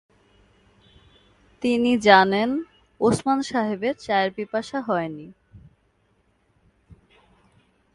তিনি জানেন, ওসমান সাহেবের চায়ের পিপাসা হয় নি।